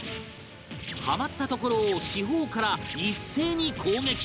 はまったところを四方から一斉に攻撃